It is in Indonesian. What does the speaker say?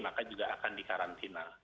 maka juga akan dikarantina